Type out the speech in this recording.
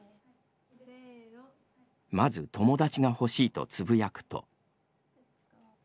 まず「友達がほしい」とつぶやくと。